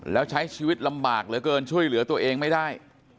แล้วใช้ชีวิตลำบากเหลือเกินช่วยเหลือตัวเองไม่ได้